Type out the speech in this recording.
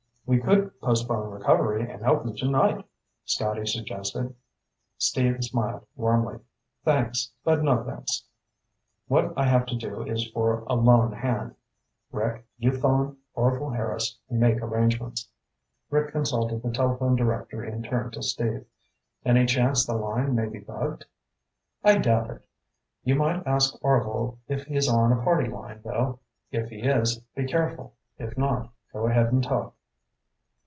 "We could postpone recovery and help you tonight," Scotty suggested. Steve smiled warmly. "Thanks, but no thanks. What I have to do is for a lone hand. Rick, you phone Orvil Harris and make arrangements." Rick consulted the telephone directory and turned to Steve. "Any chance the line may be bugged?" "I doubt it. You might ask Orvil if he's on a party line, though. If he is, be careful. If not, go ahead and talk."